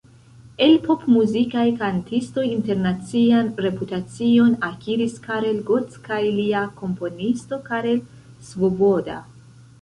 El pop-muzikaj kantistoj internacian reputacion akiris Karel Gott kaj lia komponisto Karel Svoboda.